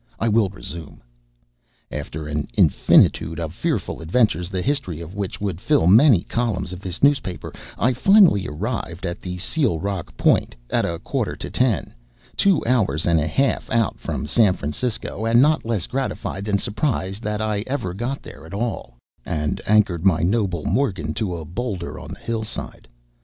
I will resume. After an infinitude of fearful adventures, the history of which would fill many columns of this newspaper, I finally arrived at the Seal Rock Point at a quarter to ten two hours and a half out from San Francisco, and not less gratified than surprised that I ever got there at all and anchored my noble Morgan to a boulder on the hillside.